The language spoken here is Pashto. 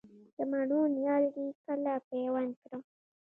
د مڼو نیالګي کله پیوند کړم؟